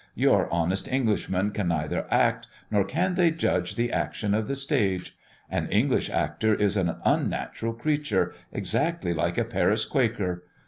Your honest Englishmen can neither act, nor can they judge the action of the stage. An English actor is an unnatural creature, exactly like a Paris Quaker.